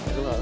itu ga ada